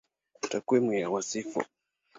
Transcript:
Takwimu ya Wasifu